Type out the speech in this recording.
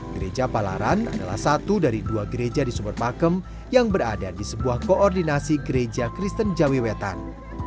gereja palaran adalah satu dari dua gereja di sumberpakem yang berada di sebuah koordinasi gereja kristen jawi wetan